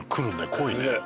濃いね。